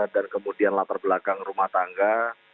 dan kemudian latar belakang rumah tangga